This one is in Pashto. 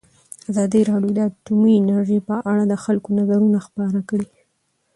ازادي راډیو د اټومي انرژي په اړه د خلکو نظرونه خپاره کړي.